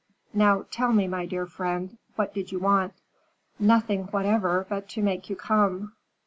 Now, tell me, my dear friend, what did you want?" "Nothing whatever, but to make you come."